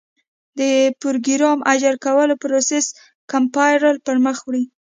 د پراګرام اجرا کولو پروسه کمپایلر پر مخ وړي.